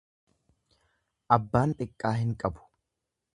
Abbaan xiqqaa hin qabu.